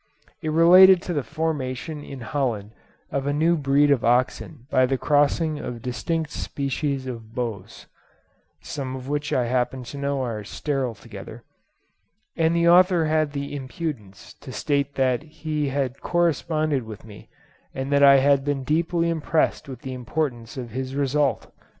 It related to the formation in Holland of a new breed of oxen by the crossing of distinct species of Bos (some of which I happen to know are sterile together), and the author had the impudence to state that he had corresponded with me, and that I had been deeply impressed with the importance of his result.